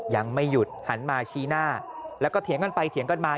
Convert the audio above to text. ยังไม่หยุดหันมาชี้หน้าแล้วก็เถียงกันไปเถียงกันมา